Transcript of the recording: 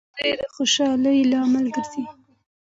تعلیم د زوی د خوشحالۍ لامل ګرځي.